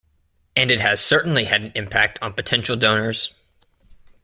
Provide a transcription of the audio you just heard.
And it has certainly had an impact on potential donors.